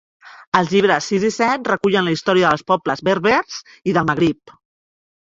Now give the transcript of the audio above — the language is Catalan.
Els llibres sis i set recullen la història dels pobles berbers i del Magrib.